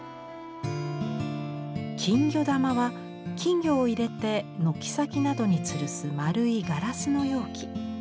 金魚玉は金魚を入れて軒先などにつるす丸いガラスの容器。